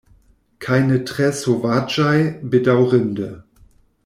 Kaj ne tre sovaĝaj, bedaŭrinde.